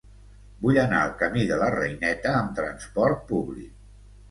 Vull anar al camí de la Reineta amb trasport públic.